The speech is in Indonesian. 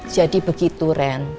jadi begitu ren